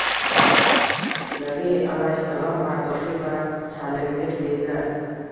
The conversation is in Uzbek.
Nabiy alayhissalom: “Bardoshlilik va halimlik”, dedilar